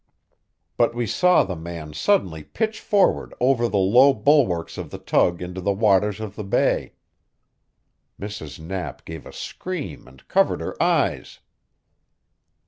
But we saw the man suddenly pitch forward over the low bulwarks of the tug into the waters of the bay. Mrs. Knapp gave a scream and covered her eyes.